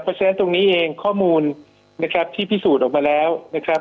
เพราะฉะนั้นตรงนี้เองข้อมูลนะครับที่พิสูจน์ออกมาแล้วนะครับ